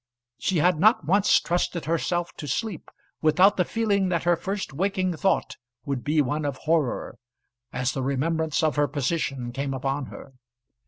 She had not once trusted herself to sleep without the feeling that her first waking thought would be one of horror, as the remembrance of her position came upon her.